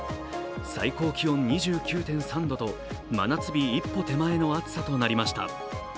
最高気温２９．３度と真夏日一歩手前の暑さとなりました。